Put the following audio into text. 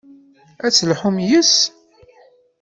Ad d-telhumt yes-s.